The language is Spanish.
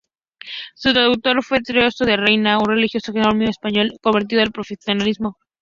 Su traductor fue Casiodoro de Reina, un religioso jerónimo español convertido al protestantismo.